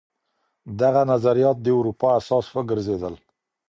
دغه نظريات د اروپا اساس وګرځېدل.